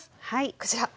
こちら。